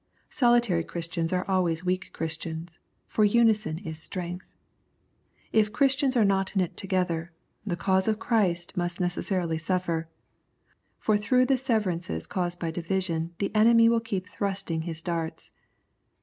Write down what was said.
Solitary Christians are always weak Chris tians, for " union is strength." If Christians are not knit together, the cause of Christ must necessarily suffer, for through the severances caused by division the enemy will keep thrusting his darts.